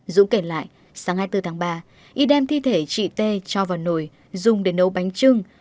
dũng kể lại sáng hai mươi bốn tháng ba y đem thi thể chị t cho vào nồi dùng để nấu bánh trưng